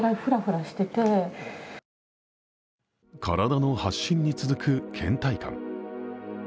体の発疹に続くけん怠感。